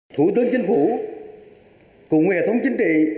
thủ tướng chính phủ cùng hệ thống chính trị